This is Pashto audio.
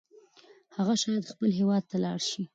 هغه شاید خپل هیواد ته لاړ شي.